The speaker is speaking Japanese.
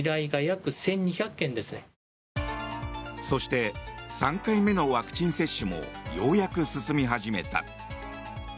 そして３回目のワクチン接種もようやく進み始めた。